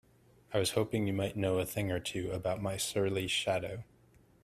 I was hoping you might know a thing or two about my surly shadow?